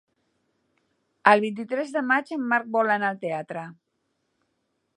El vint-i-tres de maig en Marc vol anar al teatre.